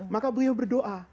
maka beliau berdoa